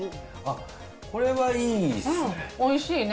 これはいいっすね。